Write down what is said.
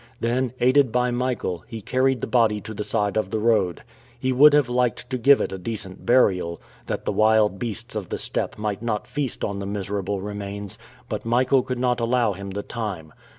Then, aided by Michael, he carried the body to the side of the road. He would have liked to give it decent burial, that the wild beasts of the steppe might not feast on the miserable remains, but Michael could not allow him the time.